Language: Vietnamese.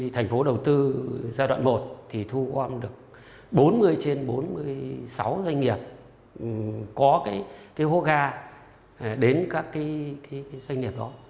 thành phố đầu tư giai đoạn một thì thu gom được bốn mươi trên bốn mươi sáu doanh nghiệp có cái hô ga đến các doanh nghiệp đó